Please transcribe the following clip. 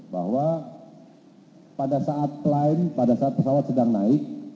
bahwa pada saat pesawat sedang naik